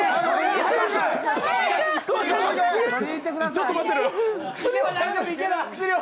ちょっと待ってろよ。